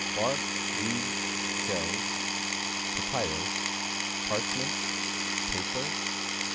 Bark, Leaves, Shells. Papyrus. Parchments. Paper.